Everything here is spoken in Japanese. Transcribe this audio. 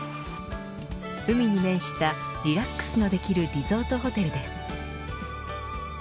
海に面したリラックスのできるリゾートホテルです。